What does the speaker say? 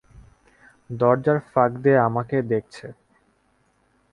দরজার ফাঁক দিয়ে আমাকে দেখছে।